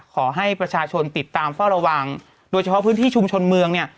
ขอให้ประชาชนติดตามเฝ้าระวังโดยเฉพาะพื้นที่ชุมชนเมืองเนี่ย